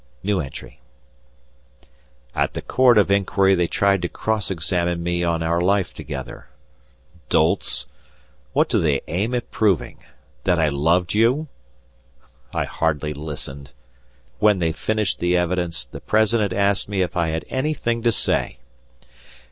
At the Court of Inquiry they tried to cross examine me on our life together. Dolts! what do they aim at proving? That I loved you? I hardly listened. When they finished the evidence, the President asked me if I had anything to say!